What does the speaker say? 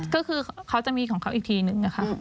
ก็คือเขาจะมีของเขาอีกทีนึงค่ะ